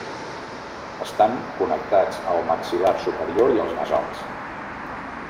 Estan connectats al maxil·lar superior i als nasals.